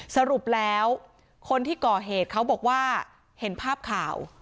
สรุปแล้วคนที่ก่อเหตุเขาบอกว่าเห็นภาพข่าว